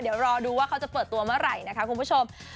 เดี๋ยวรอดูว่าเขาจะเปิดตัวเมื่อไหร่นะคะคุณผู้ชม